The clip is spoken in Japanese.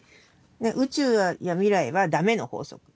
宇宙や未来はだめの法則。